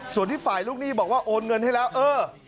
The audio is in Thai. ส่วนที่ฝ่ายลูกหนี้บอกว่าโอนเงินให้แล้วเออ